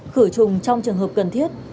khử trùng trong trường hợp cần thiết